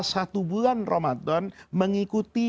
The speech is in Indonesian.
satu bulan ramadan mengikuti